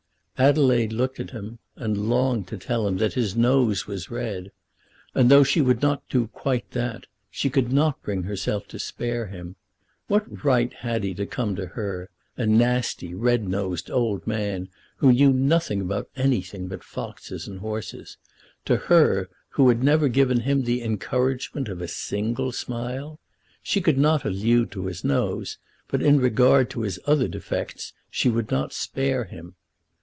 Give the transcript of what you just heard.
Adelaide looked at him, and longed to tell him that his nose was red. And, though she would not quite do that, she could not bring herself to spare him. What right had he to come to her, a nasty, red nosed old man, who knew nothing about anything but foxes and horses, to her, who had never given him the encouragement of a single smile? She could not allude to his nose, but in regard to his other defects she would not spare him.